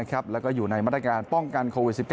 แล้วก็อยู่ในมาตรการป้องกันโควิด๑๙